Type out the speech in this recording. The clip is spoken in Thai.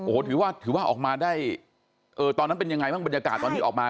โอ้โหถือว่าถือว่าออกมาได้ตอนนั้นเป็นยังไงบ้างบรรยากาศตอนที่ออกมา